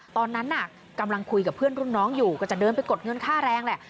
ตอนนั้นน่ะกำลังคุยกับเพื่อนรุ่นน้องอยู่ก็จะเดินไปกดเงินค่าแรงแหละ